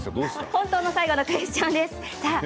本当に最後のクエスチョンです。